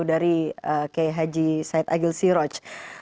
dari kiai said agus siraj